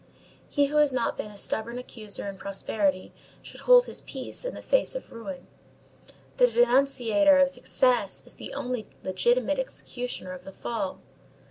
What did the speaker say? He who has not been a stubborn accuser in prosperity should hold his peace in the face of ruin. The denunciator of success is the only legitimate executioner of the fall.